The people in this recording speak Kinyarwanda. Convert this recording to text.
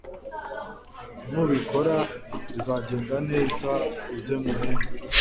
nubikora bizagenda neza uze nkuhembe